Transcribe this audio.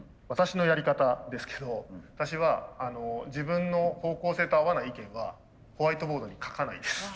私のやり方ですけど私は自分の方向性と合わない意見はホワイトボードに書かないです。